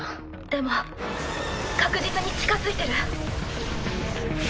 でも確実に近づいてる。